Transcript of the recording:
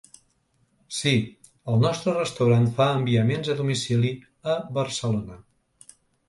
Si, el nostre restaurant fa enviaments a domicili a Barcelona.